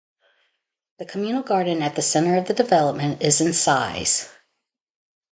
The communal garden at the centre of the development is in size.